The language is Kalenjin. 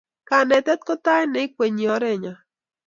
Kanetet ko tait ne ikwenyi orenyo